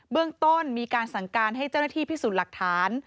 เรื่องต้นมีการสั่งการให้เจ้าหน้าที่พิสูจน์หลักฐาน